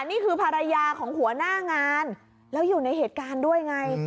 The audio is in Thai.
นี่คือภรรยาของหัวหน้างานแล้วอยู่ในเหตุการณ์ด้วยไง